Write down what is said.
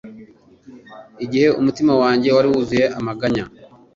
Igihe umutima wanjye wari wuzuye amaganya